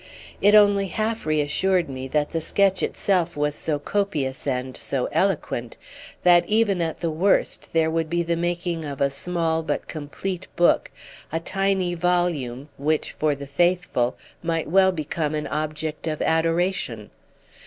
It only half reassured me that the sketch itself was so copious and so eloquent that even at the worst there would be the making of a small but complete book, a tiny volume which, for the faithful, might well become an object of adoration.